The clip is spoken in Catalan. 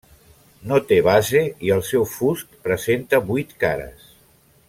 No té base i el seu fust presenta vuit cares.